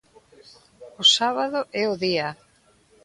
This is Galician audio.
O sábado é o día.